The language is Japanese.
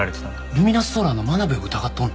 ルミナスソーラーの真鍋を疑っとんの？